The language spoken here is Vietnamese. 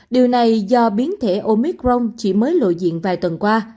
điều này do biến thể omicron chỉ mới lộ diện vài tuần qua